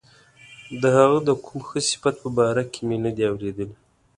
د هغه د کوم ښه صفت په باره کې مې نه دي اوریدلي.